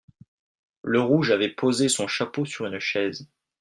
Lerouge avait posé son chapeau sur une chaise.